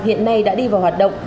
hiện nay đã đi vào hoạt động